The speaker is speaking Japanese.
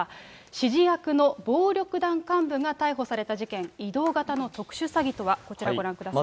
指示役の暴力団幹部が逮捕された事件、移動型の特殊詐欺とは、こちら、ご覧ください。